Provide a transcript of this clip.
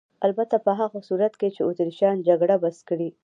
البته په هغه صورت کې چې اتریشیان جګړه بس کړي.